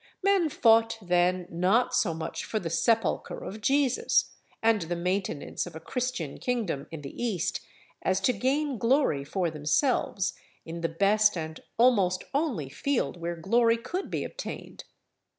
Men fought then, not so much for the sepulchre of Jesus, and the maintenance of a Christian kingdom in the East, as to gain glory for themselves in the best and almost only field where glory could be obtained.